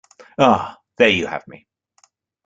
Ah, there you have me.